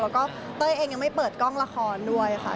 แล้วก็เต้ยเองยังไม่เปิดกล้องละครด้วยค่ะ